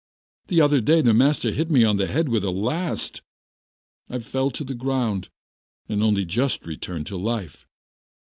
The other day the master hit me on the head with a last; I fell to the ground, and only just returned to life.